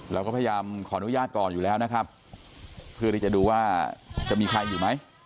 เราก็พยายามขออนุญาตก่อนอยู่แล้วนะครับเพื่อที่จะดูว่าจะมีใครอยู่ไหม